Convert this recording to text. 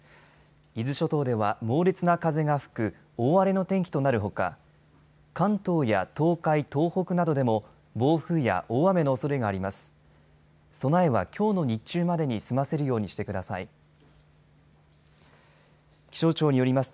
伊豆諸島では猛烈な風が吹く大荒れの天気となるほか関東や東海、東北などでも暴風や大雨のおそれがあります。